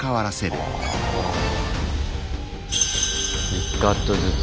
１カットずつ。